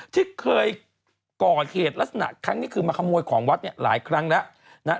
ที่เคยก่อเหตุลักษณะครั้งนี้คือมาขโมยของวัดเนี่ยหลายครั้งแล้วนะฮะ